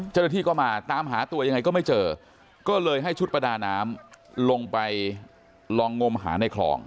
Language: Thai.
เจ้าหน้าที่ก็มาตามหาตัวยังไงก็ไม่เจอก็เลยให้ชุดประดาน้ำลงไปลองงมหาในคลอง